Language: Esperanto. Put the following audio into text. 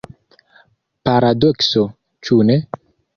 Paradokso, ĉu ne?